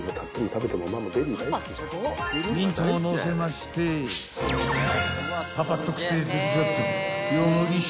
［ミントものせましてパパ特製デザート］